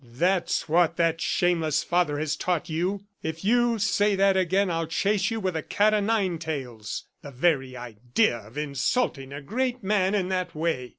"That's what that shameless father has taught you! If you say that again, I'll chase you with a cat o nine tails. ... The very idea of insulting a great man in that way!"